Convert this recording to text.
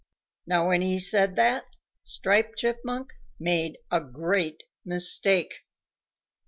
Now when he said that, Striped Chipmunk made a great mistake.